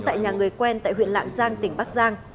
tại nhà người quen tại huyện lạng giang tỉnh bắc giang